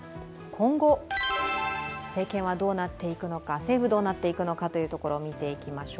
今後、政権はどうなっていくのか政府はどうなっていくのかというところを見ていきましょう。